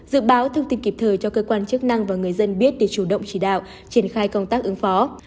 dự báo thông tin kịp thời cho cơ quan chức năng và người dân biết để chủ động chỉ đạo triển khai công tác ứng phó